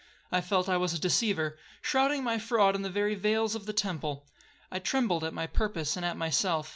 I felt I was a deceiver, shrouding my fraud in the very veils of the temple. I trembled at my purpose and at myself.